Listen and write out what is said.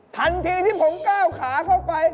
ทันทีที่ผมก้าวขาเข้าไป